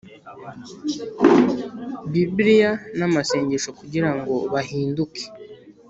Biblia n amasengesho kugira ngo bahinduke